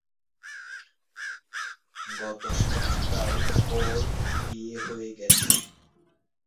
গত সপ্তায় ওর বিয়ে হয়ে গেছে।